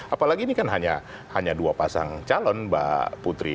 apalagi ini kan hanya dua pasang calon mbak putri